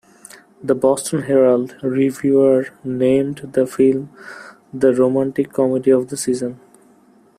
The "Boston Herald" reviewer named the film "the romantic comedy of the season.